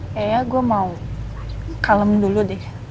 kayaknya gue mau kalem dulu deh